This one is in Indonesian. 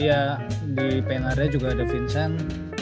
iya di pain area juga ada vincent